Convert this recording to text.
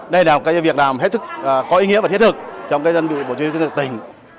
đây là một việc làm hết sức có ý nghĩa và thiết thực trong đơn vị bộ chủ tịch tỉnh